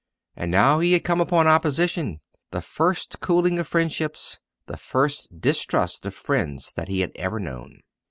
And now he had come upon opposition the first cooling of friendships, the first distrust of friends that he had ever known.